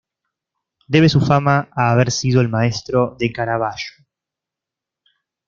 Debe su fama a haber sido el maestro de Caravaggio.